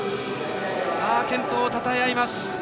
健闘をたたえ合いました。